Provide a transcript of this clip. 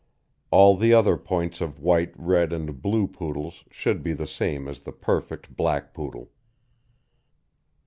All the other points of White, Red, and Blue poodles should be the same as the perfect Black Poodle.